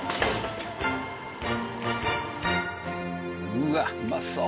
うわっうまそう。